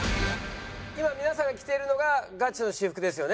今皆さんが着ているのがガチの私服ですよね。